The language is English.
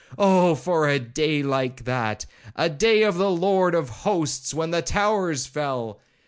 —Oh for a day like that, a day of the Lord of hosts, when the towers fell!